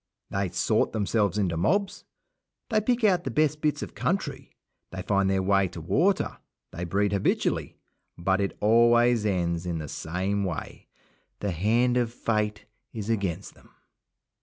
They sort themselves into mobs, they pick out the best bits of country, they find their way to the water, they breed habitually; but it always ends in the same way. The hand of Fate is against them.